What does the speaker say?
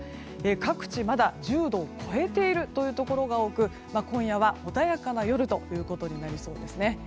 各地まだ１０度を超えているというところが多く今夜は穏やかな夜となりそうですね。